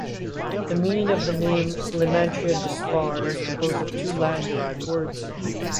The meaning of the name "Lymantria dispar" is composed of two Latin-derived words.